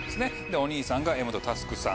お兄さんが柄本佑さん。